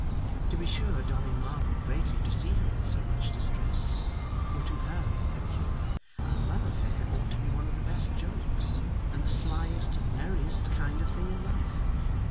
To be sure Dolly marvelled greatly to see her in so much distress, for to her thinking a love affair ought to be one of the best jokes, and the slyest, merriest kind of thing in life.